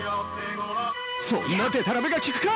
そんなでたらめが効くか！